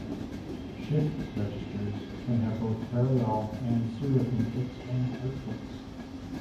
Shift registers can have both parallel and serial inputs and outputs.